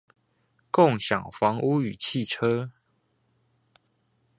共享房屋與汽車